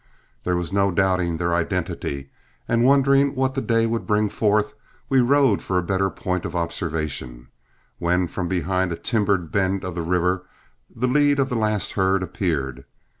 There was no doubting their identity; and wondering what the day would bring forth, we rode for a better point of observation, when from behind a timbered bend of the river the lead of the last herd appeared.